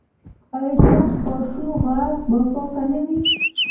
ایا ستاسو کاشوغه به پاکه نه وي؟